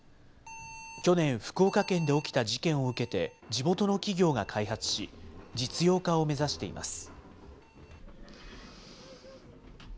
去年、福岡県で起きた事件を受けて、地元の企業が開発し、実用化を目指しています。